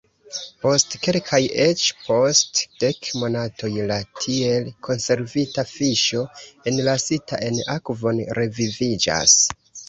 Post kelkaj, eĉ post dek monatoj la tiel konservita fiŝo, enlasita en akvon, reviviĝas.